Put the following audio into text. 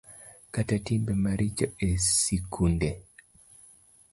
Kata timbe maricho e sikunde